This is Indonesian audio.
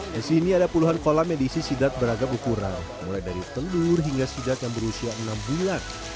di sini ada puluhan kolam yang diisi sidat beragam ukuran mulai dari telur hingga sidat yang berusia enam bulan